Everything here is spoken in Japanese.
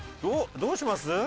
どうします？